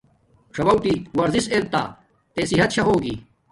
څݹٹی ورزش ارتا تے صحت شا ہوگی